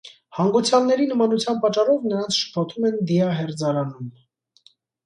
Հանգուցյալների նմանության պատճառով նրանց շփոթում են դիահերձարանում։